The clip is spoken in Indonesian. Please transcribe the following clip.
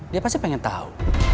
dia pasti pengen tahu